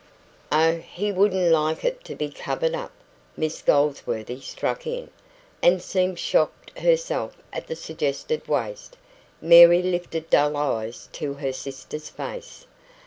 "Oh, he wouldn't like it to be covered up," Miss Goldsworthy struck in, and seemed shocked herself at the suggested waste. Mary lifted dull eyes to her sister's face.